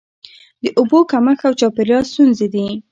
د اوبو کمښت او چاپیریال ستونزې دي.